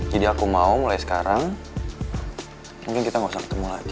jadi aku mau mulai sekarang mungkin kita gak usah ketemu lagi